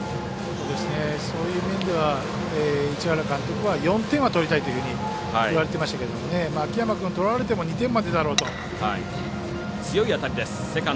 そういう面では市原監督は４点は取りたいというふうに言われてましたけど、秋山君取られても２点までだろうと。